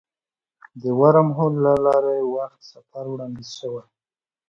د ورم هول له لارې وخت سفر وړاندیز شوی.